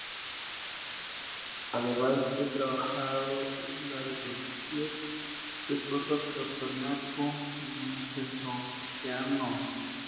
Además ha trabajado en la reconstrucción del proto-totonaco-mixezoqueano.